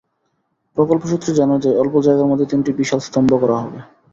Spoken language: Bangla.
প্রকল্প সূত্রে জানা যায়, অল্প জায়গার মধ্যে তিনটি বিশাল স্তম্ভ করা হবে।